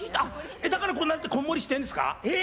だからこんなにこんもりしてるんですか！